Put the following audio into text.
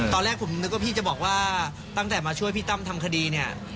ตอนแรกผมนึกว่าพี่จะบอกว่าตั้งแต่มาช่วยพี่ตั้มทำคดีเนี่ย